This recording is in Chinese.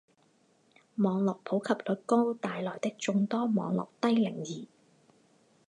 网络普及率高带来的众多网络低龄儿